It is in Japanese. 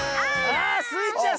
あスイちゃん